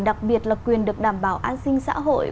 đặc biệt là quyền được đảm bảo an sinh xã hội